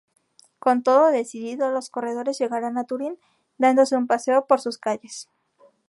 Con todo decidido, los corredores llegaran a Turín, dándose un paseo por sus calles.